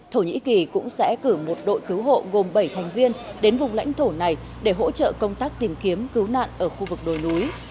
thổ nhĩ kỳ cũng sẽ cử một đội cứu hộ gồm bảy thành viên đến vùng lãnh thổ này để hỗ trợ công tác tìm kiếm cứu nạn ở khu vực đồi núi